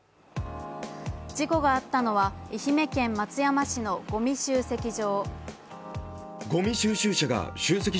事故があったのは愛媛県松山市のごみ集積場。